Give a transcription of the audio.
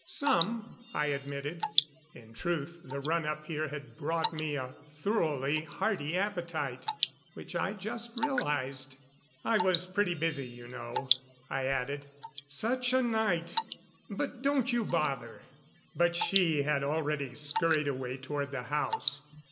"Some," I admitted. In truth the run up here had brought me a thoroughly hearty appetite, which I just realized. "I was pretty busy, you know," I added. "Such a night but don't you bother." But she had already scurried away toward the house.